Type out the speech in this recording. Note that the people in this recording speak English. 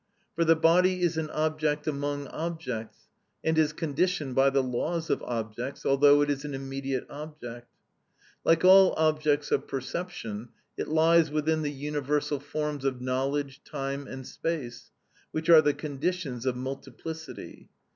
For the body is an object among objects, and is conditioned by the laws of objects, although it is an immediate object. Like all objects of perception, it lies within the universal forms of knowledge, time and space, which are the conditions of multiplicity.